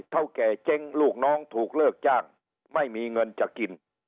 เท่าแก่เจ๊งลูกน้องถูกเลิกจ้างไม่มีเงินจะกิน